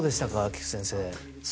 菊地先生。